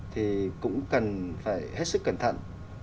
thì mình phải hết sức cẩn thận